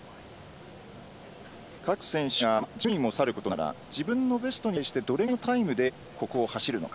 各選手が、順位もさることながら自分のベストに対してどれぐらいのタイムでここを走るのか。